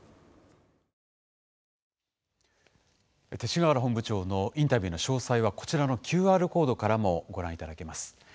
勅使河原本部長のインタビューの詳細はこちらのＱＲコードからもご覧いただけます。